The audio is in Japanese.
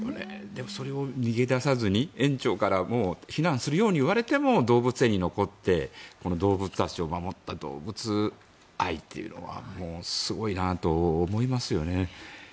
でも、それが逃げ出さずに園長から避難するように言われても動物園に残って動物たちを守った動物愛というのはもうすごいなと思いますよね。